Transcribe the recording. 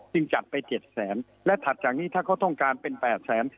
จัดไปเจ็ดแสนและถัดจากนี้ถ้าเขาต้องการเป็น๘แสน